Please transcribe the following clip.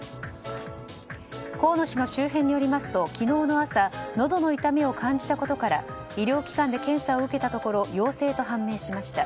河野氏の周辺によりますと昨日の朝のどの痛みを感じたことから医療機関で検査を受けたところ陽性と判明しました。